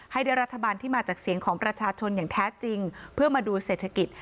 ให้ได้รัฐบาลที่มาจากเสียงของประชาชนอย่างแท้จริงเพื่อมาดูเศรษฐกิจ